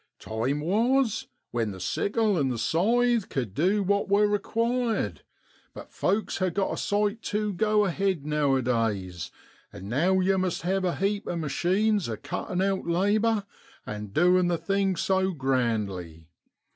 Time was when the sickle an' the scythe cud du what wor required; but folks ha' got a sight too go a head nowadays, and now yow must hev a heap o' machines a cuttin' out labour, and doin' the thing so grandly.